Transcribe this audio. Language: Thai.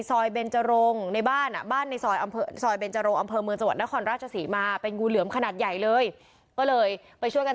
สอยเบนเจรงในบ้านเนี่ย